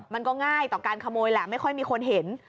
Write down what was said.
มันก็ง่ายต่อการขโมยแหละไม่ค่อยมีคนเห็น